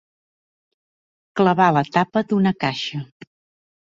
Clavar la tapa d'una caixa.